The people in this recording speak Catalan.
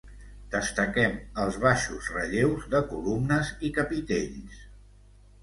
Destaquem els baixos relleus de columnes i capitells.